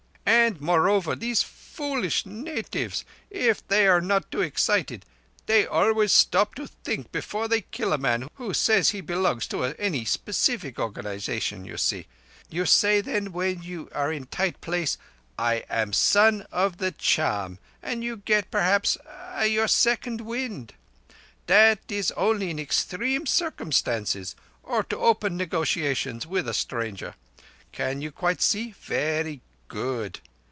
And moreover, these foolish natives—if they are not too excited—they always stop to think before they kill a man who says he belongs to any speecific organization. You see? You say then when you are in tight place, 'I am Son of the Charm', and you get—perhaps—ah—your second wind. That is only in extreme instances, or to open negotiations with a stranger. Can you quite see? Verree good.